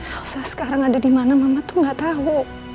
elsa jauh banyak mama sih tidak tahu